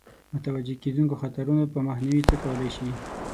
متوجه کېدونکو خطرونو په مخنیوي څه کولای شي.